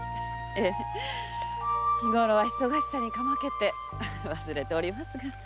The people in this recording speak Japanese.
ええ日ごろは忙しさにかまけて忘れておりますが。